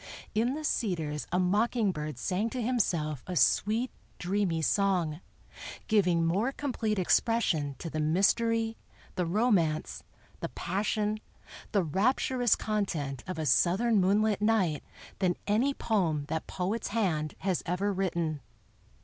In the cedars a mocking bird sang to himself a sweet, dreamy song, giving more complete expression to the mystery, the romance, the passion, the rapturous content of a Southern moonlit night than any poem that poet's hand has ever written.